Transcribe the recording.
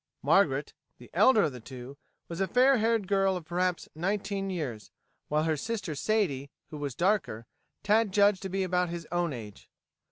Margaret, the elder of the two, was a fair haired girl of perhaps nineteen years, while her sister Sadie, who was darker, Tad judged to be about his own age.